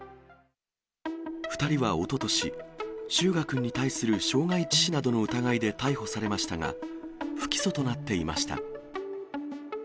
２人はおととし、翔雅くんに対する傷害致死などの疑いで逮捕されましたが、不起訴となっていました。